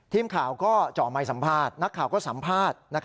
ทีมข่าวก็เจาะไมค์สัมภาษณ์นักข่าวก็สัมภาษณ์